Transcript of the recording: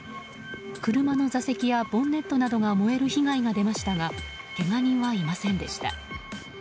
車の座席やボンネットなどが燃える被害が出ましたがけが人はいませんでした。